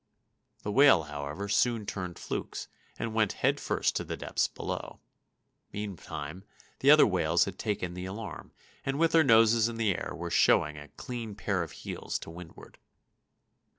The whale, however, soon turned flukes, and went head first to the depths below. Meantime, the other whales had taken the alarm, and with their noses in the air, were showing a "clean pair of heels" to windward.